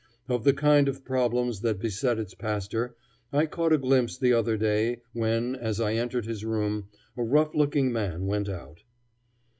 Of the kind of problems that beset its pastor I caught a glimpse the other day, when, as I entered his room, a rough looking man went out.